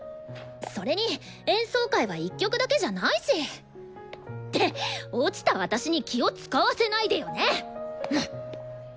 それに演奏会は１曲だけじゃないし。って落ちた私に気を遣わせないでよね！